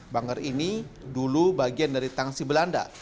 banggar ini dulu bagian dari tangsi belanda